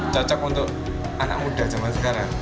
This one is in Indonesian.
cocok untuk anak muda zaman sekarang